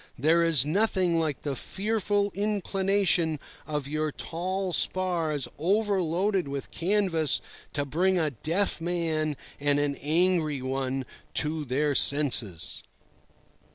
There is nothing like the fearful inclination of your tall spars overloaded with canvas to bring a deaf man and an angry one to their senses.